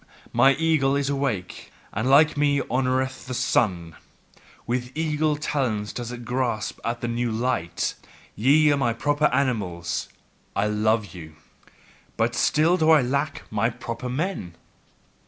Mine eagle is awake, and like me honoureth the sun. With eagle talons doth it grasp at the new light. Ye are my proper animals; I love you. But still do I lack my proper men!"